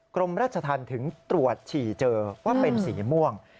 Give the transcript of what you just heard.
กรมราชธรรมถึงตรวจฉี่เจอว่าเป็นสีม่วง